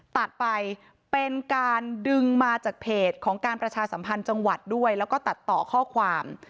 ตัดไปเป็นการดึงมาจากเพจของการประชาสัมพันธ์จังหวัดด้วยแล้วก็ตัดต่อข้อความ